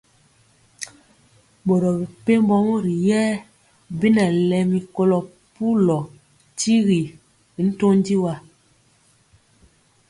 Boro mɛ pɛmbɔ rori yɛɛ bi nɛ lɛmi kolo pulu tyigi y ntɔndi wa.